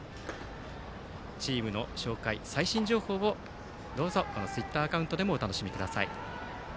チームの紹介、最新情報をどうぞツイッターアカウントでもお楽しみください。